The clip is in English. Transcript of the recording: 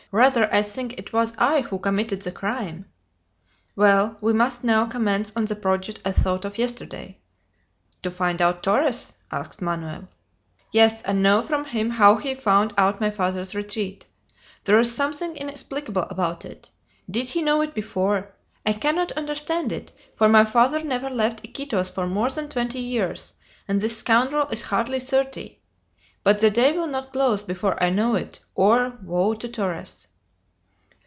"Rather I think it was I who committed the crime." "Well, we must now commence on the project I thought of yesterday." "To find out Torres?" asked Manoel. "Yes, and know from him how he found out my father's retreat. There is something inexplicable about it. Did he know it before? I cannot understand it, for my father never left Iquitos for more than twenty years, and this scoundrel is hardly thirty! But the day will not close before I know it; or, woe to Torres!"